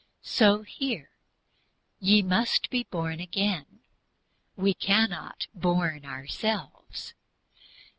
So here. "Ye must be born again" we cannot born ourselves.